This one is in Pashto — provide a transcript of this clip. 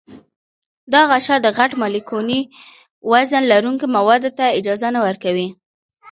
دا غشا د غټ مالیکولي وزن لرونکو موادو ته اجازه نه ورکوي.